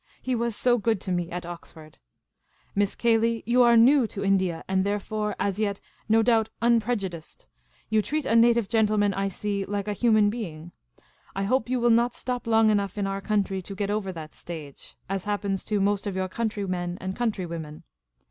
He was so good to me at Oxford. Miss Cayley, 3'OU are new to India, and therefore — as yet — no doubt unprejudiced. You treat a native gentleman, I see, like a human being. I hope you will not stop long enough in our country to get over that stage — as happens to most of your countrj men and countrywomen.